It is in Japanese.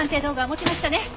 持ちました。